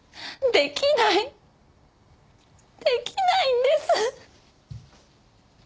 出来ないんです。